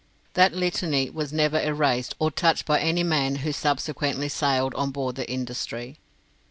That litany was never erased or touched by any man who subsequently sailed on board the 'Industry'.